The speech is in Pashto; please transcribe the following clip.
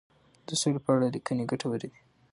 د سولي په اړه لیکنې ګټورې دي.